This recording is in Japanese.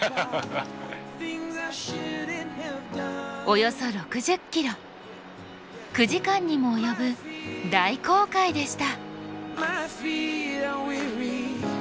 およそ６０ｋｍ９時間にも及ぶ大航海でした。